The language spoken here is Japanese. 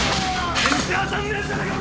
全然当たんねえじゃねえか！